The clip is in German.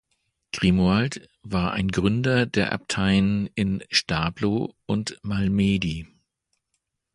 Grimoald war ein Gründer der Abteien in Stablo und Malmedy.